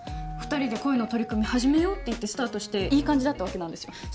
二人で恋の取り組み始めようって言ってスタートしていい感じだったわけなんですよ